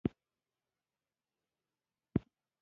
د افغانستان علومو اکاډمي د دې کتاب اهمیت ته متوجه شوه.